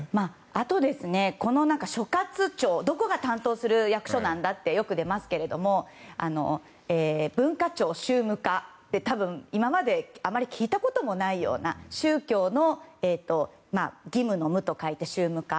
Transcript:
あと、この所轄庁どこが担当する役所なんだってよく出ますけども文化庁宗務課今まで聞いたこともないような宗教の義務の務と書いて宗務課。